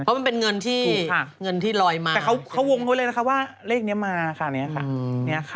เพราะมันเป็นเงินที่เงินที่ลอยมาแต่เขาวงไว้เลยนะคะว่าเลขนี้มาค่ะนี้ค่ะ